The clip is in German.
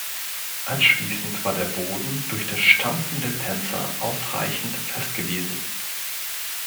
Anschließend war der Boden durch das Stampfen der Tänzer ausreichend fest gewesen.